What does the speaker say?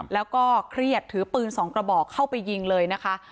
แล้วก็เครียดถือปืน๒กระบอกเข้าไปยิงเลยนะคะ